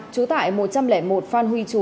chú tại một trăm linh một phan huy chú